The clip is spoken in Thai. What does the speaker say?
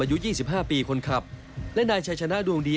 อายุ๒๕ปีคนขับและนายชัยชนะดวงดี